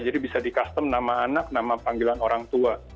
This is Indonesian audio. jadi bisa di custom nama anak nama panggilan orang tua